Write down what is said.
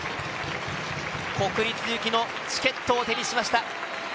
国立行きのチケットを手にしました。